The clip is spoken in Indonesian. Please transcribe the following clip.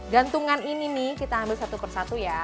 gantungan ini nih kita ambil satu persatu ya